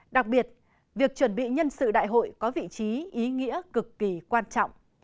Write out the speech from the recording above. đặc biệt việc chuẩn bị nhân sự đại hội có vị trí ý nghĩa cực kỳ quan trọng